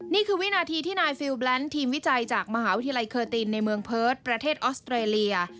นี่คือวินาทีที่นายฟิลแบล้นทีมวิจัยจากมหาวิทยาลัยเคอร์ตินในเมืองเพิร์ตประเทศออสเตรเลีย